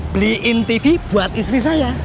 beliin tv buat istri saya